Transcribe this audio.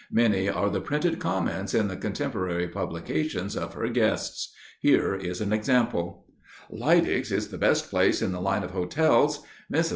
Many are the printed comments in the contemporary publications of her guests. Here is an example: Leidig's is the best place in the line of hotels. Mrs.